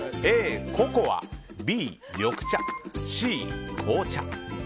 Ａ、ココアＢ、緑茶Ｃ、紅茶。